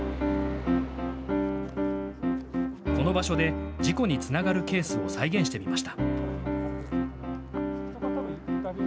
この場所で事故につながるケースを再現してみました。